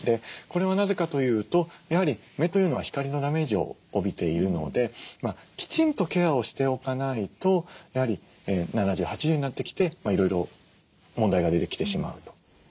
これはなぜかというとやはり目というのは光のダメージを帯びているのできちんとケアをしておかないとやはり７０８０になってきていろいろ問題が出てきてしまうと。